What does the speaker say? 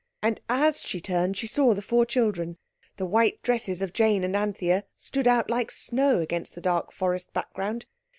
And as she turned she saw the four children. The white dresses of Jane and Anthea stood out like snow against the dark forest background.